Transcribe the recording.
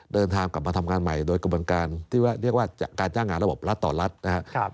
เดินทางกลับมาทำงานใหม่โดยกระบวนการที่เรียกว่าการจ้างงานระบบรัฐต่อรัฐนะครับ